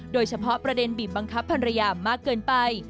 โดยเฉพาะประเด็นบีบบังคับภรรยามากเกินไป